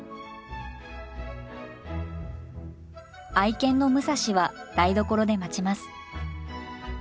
愛犬のムサシは台所で待ちます。